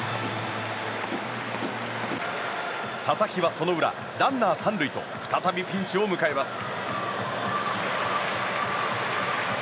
佐々木はその裏ランナー３塁と再びピンチを迎えます。